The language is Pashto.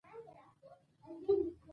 افغانستان د د ریګ دښتې له امله شهرت لري.